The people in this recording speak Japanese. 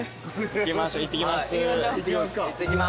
いってきます。